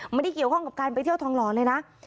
ไม่ได้เกี่ยวข้องกับการไปเที่ยวทองหล่อเลยนะ